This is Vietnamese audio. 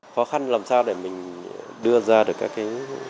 khó khăn làm sao để mình đưa ra được các cái